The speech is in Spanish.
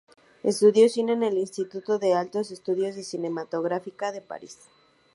Estudió cine en el Instituto de Altos Estudios de Cinematografía de París.